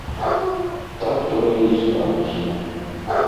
Так тое і сталася.